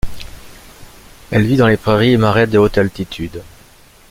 Elle vit dans les prairies et marais de haute altitude.